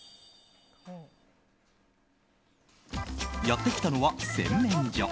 やってきたのは洗面所。